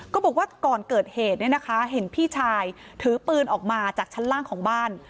บอกว่าก่อนเกิดเหตุเนี่ยนะคะเห็นพี่ชายถือปืนออกมาจากชั้นล่างของบ้าน